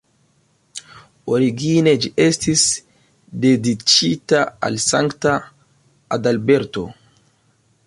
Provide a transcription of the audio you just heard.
Origine ĝi estis dediĉita al Sankta Adalberto.